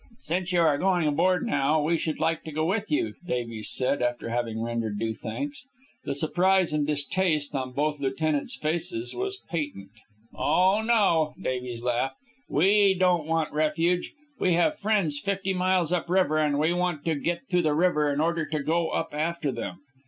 "Since you are going aboard now, we should like to go with you," Davies said, after having rendered due thanks. The surprise and distaste on both lieutenants' faces was patent. "Oh, no," Davies laughed. "We don't want refuge. We have friends fifty miles up river, and we want to get to the river in order to go up after them."